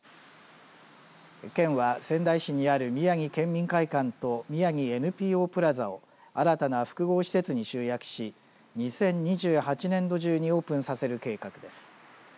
県は仙台市にある宮城県民会館とみやぎＮＰＯプラザを新たな複合施設に集約し２０２８年度中にオープンさせる計画です。